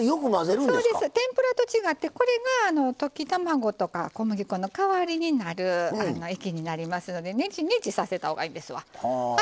天ぷらと違って、これが溶き卵とか小麦粉の代わりになる液になりますのでねちねちさせたほうがいいですわ。